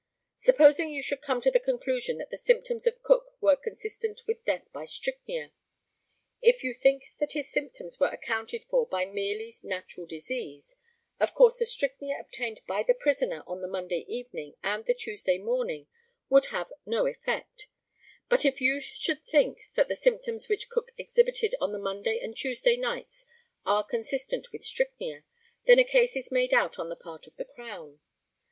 Supposing you should come to the conclusion that the symptoms of Cook were consistent with death by strychnia if you think that his symptoms are accounted for by merely natural disease, of course the strychnia obtained by the prisoner on the Monday evening and the Tuesday morning would have no effect; but if you should think that the symptoms which Cook exhibited on the Monday and Tuesday nights are consistent with strychnia, then a case is made out on the part of the Crown.